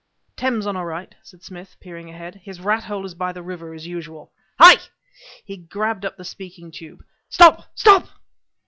"Thames on our right," said Smith, peering ahead. "His rathole is by the river as usual. Hi!" he grabbed up the speaking tube "Stop! Stop!"